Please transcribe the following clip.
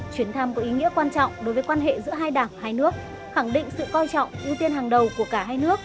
chuyến thăm có ý nghĩa quan trọng đối với quan hệ giữa hai đảng hai nước khẳng định sự coi trọng ưu tiên hàng đầu của cả hai nước